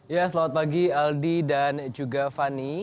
ya selamat pagi aldi dan juga fani